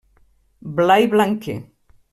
Blai Blanquer.